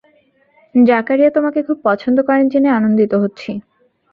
জাকারিয়া তোমাকে খুব পছন্দ করেন জেনে আনন্দিত হচ্ছি।